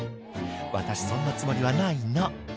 「私そんなつもりはないの」